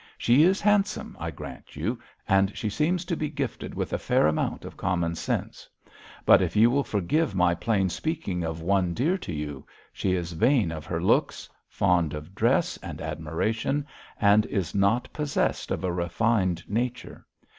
She is handsome, I grant you; and she seems to be gifted with a fair amount of common sense; but, if you will forgive my plain speaking of one dear to you, she is vain of her looks, fond of dress and admiration, and is not possessed of a refined nature.